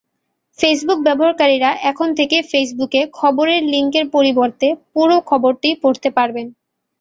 Facebook ব্যবহারকারীরা এখন থেকে ফেসবুকে খবরের লিংকের পরিবর্তে পুরো খবরটিই পড়তে পারবেন।